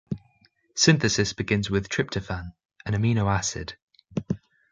Synthesis begins with tryptophan, an amino acid.